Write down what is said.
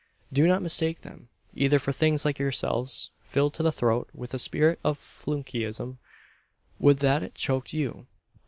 Do not mistake them, either, for things like yourselves filled to the throat with a spirit of flunkeyism would that it choked you!